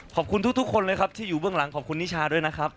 ขอบคุณทุกคนเลยครับที่อยู่เบื้องหลังของคุณนิชาด้วยนะครับ